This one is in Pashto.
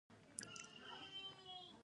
زه د خپلو ملګرو ملاتړ کوم.